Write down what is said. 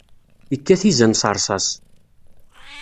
Ikkat izan s rrṣas.